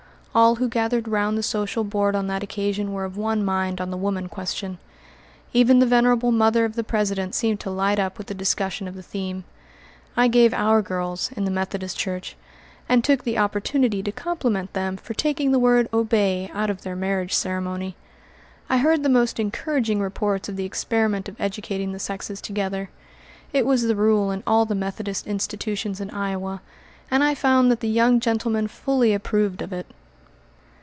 All who gathered round the social board on that occasion were of one mind on the woman question. Even the venerable mother of the president seemed to light up with the discussion of the theme. I gave "Our Girls" in the Methodist church, and took the opportunity to compliment them for taking the word "obey" out of their marriage ceremony. I heard the most encouraging reports of the experiment of educating the sexes together. It was the rule in all the Methodist institutions in Iowa, and I found that the young gentlemen fully approved of it.